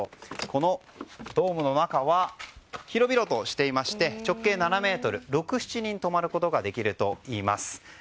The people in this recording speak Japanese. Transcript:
このドームの中は広々としていまして、直径７ｍ６７人泊まることができるといいます。